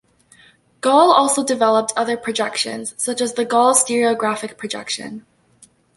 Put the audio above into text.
Gall also developed other projections, such as the Gall stereographic projection.